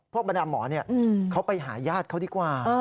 บรรดาหมอเขาไปหาญาติเขาดีกว่า